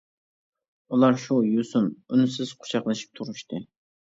ئۇلار شۇ يوسۇن ئۈنسىز قۇچاقلىشىپ تۇرۇشتى.